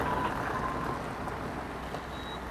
چا د پرمختګ طبیعي بهیر ګډوډ کړ؟